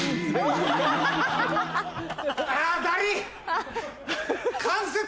あだりぃ！